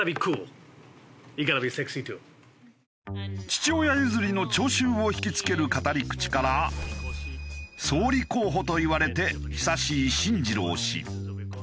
父親譲りの聴衆を引き付ける語り口から総理候補といわれて久しい進次郎氏。